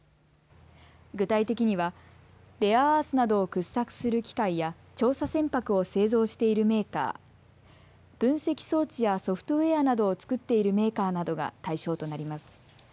具体的にはレアアースなどを掘削する機械や調査船舶を製造しているメーカー、分析装置やソフトウエアなどを作っているメーカーなどが対象となります。